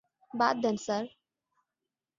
বাদ দেন স্যার।